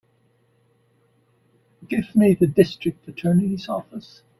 Give me the District Attorney's office.